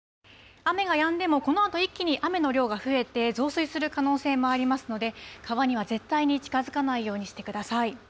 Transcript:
雨がやんでも、このあと一気に雨の量が増えて、増水する可能性もありますので、川には絶対に近づかないようにしてください。